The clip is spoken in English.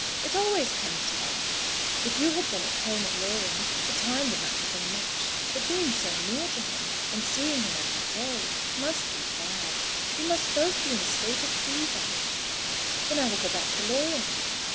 It always comes to that. If you had been at home at Loring, the time would not have been much; but, being so near to him, and seeing him every day, must be bad. You must both be in a state of fever." "Then I will go back to Loring."